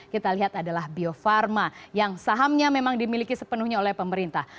kita lihat adalah bio farma yang sahamnya memang dimiliki sepenuhnya oleh pemerintah